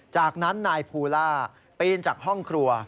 จากนั้นนายภูล่าปีนจากห้องครัว